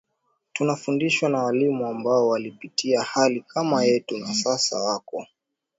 tunafundishwa na walimu ambao walipitia hali kama yetu na sasa wako